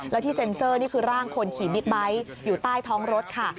แล้วที่เซ็นเซอร์นี่คือร่างคนขี่บิ๊กไบท์อยู่ใต้ท้องรถค่ะ